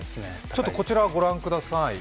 こちら御覧ください。